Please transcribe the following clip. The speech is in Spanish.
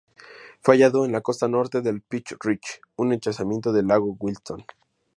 Fue hallado en la costa norte de Peace Reach, un ensanchamiento del Lago Williston.